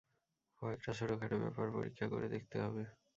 কয়েকটা ছোটখাটো ব্যাপার পরীক্ষা করে দেখতে হবে।